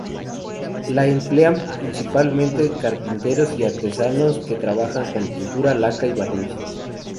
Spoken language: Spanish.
La emplean principalmente carpinteros y artesanos que trabajan con pintura, laca y barniz.